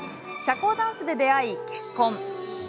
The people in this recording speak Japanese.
社交ダンスで出会い、結婚。